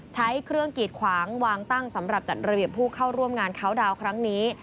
ใช้เครื่องกีดขวางวางตั้งสำหรับจัดระเบียบผู้เข้าร่วมงานเขาดาวน์ครั้งนี้